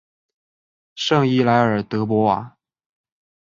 圣伊莱尔德博瓦。